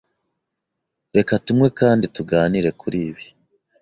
Reka tunywe kandi tuganire kuri ibi.